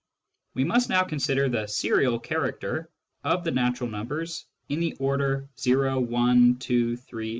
We must now consider the serial character of the natural numbers in the. order o, i, 2, 3, .